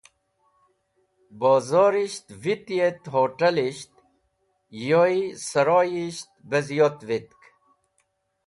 Bozorisht vitk et hot̃elisht yoy saroyisht be ziyot vitk.